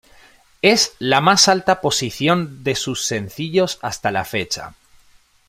Es la más alta posición de sus sencillos hasta la fecha.